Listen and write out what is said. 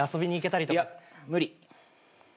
いや無理。